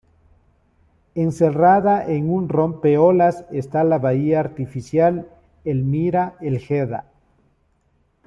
Encerrada en un rompeolas esta la bahía artificial El Mira-El Gedda.